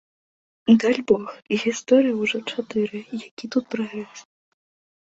Дальбог, гісторый усяго чатыры, які ўжо тут прагрэс.